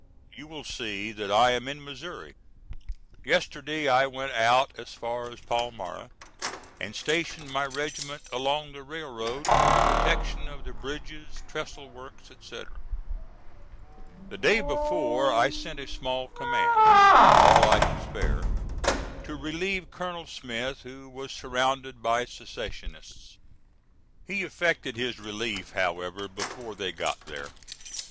You will see that I am in Missouri. Yesterday I went out as far as Palmyra and stationed my regiment along the railroad for the protection of the bridges, trestle work, etc. The day before I sent a small command, all I could spare, to relieve Colonel Smith who was surrounded by secessionists. He effected his relief, however, before they got there.